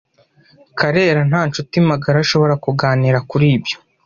Karera nta nshuti magara ashobora kuganira kuri ibyo.